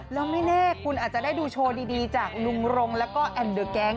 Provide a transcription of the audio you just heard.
แล้วไม่แน่คุณอาจจะได้ดูโชว์ดีจากลุงรงแล้วก็แอนเดอร์แก๊ง